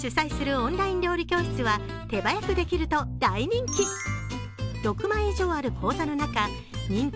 オンライン料理教室は手早くできる大人気。